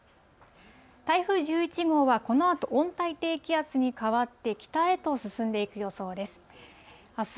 台風１１号はこのあと温帯低気圧に変わって北へと進んでいく予想です。